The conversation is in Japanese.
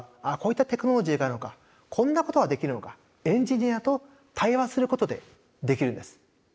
あっこういったテクノロジーがあるのかこんなことができるのか。エンジニアと対話することでできるんです。